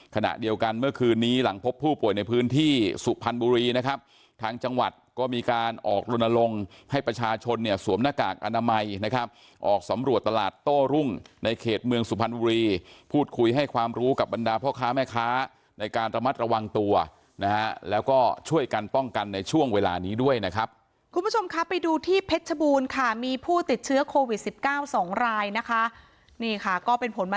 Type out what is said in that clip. ขณะเดียวกันเมื่อคืนนี้หลังพบผู้ป่วยในพื้นที่สุพรรณบุรีนะครับทางจังหวัดก็มีการออกลนลงให้ประชาชนเนี่ยสวมหน้ากากอนามัยนะครับออกสำรวจตลาดโต้รุ่งในเขตเมืองสุพรรณบุรีพูดคุยให้ความรู้กับบรรดาพ่อค้าแม่ค้าในการระมัดระวังตัวนะฮะแล้วก็ช่วยกันป้องกันในช่วงเวลานี้ด้วยนะครับ